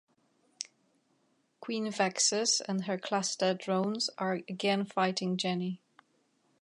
Queen Vexus and her Cluster drones are again fighting Jenny.